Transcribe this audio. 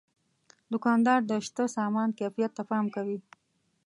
دوکاندار د شته سامان کیفیت ته پام کوي.